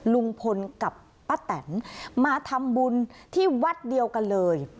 ลุงพลกับป้าแตนมาทำบุญที่วัดเดียวกันเลย